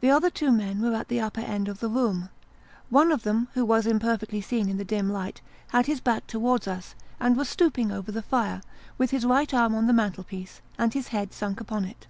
The other two men were at the upper end of the room. One of them, who was imperfectly seen in the dim light, had his back towards us, and was stooping over the fire, with his right arm on the mantelpiece, and his head sunk upon it.